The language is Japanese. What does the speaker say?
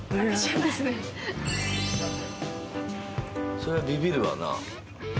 そりゃビビるわな。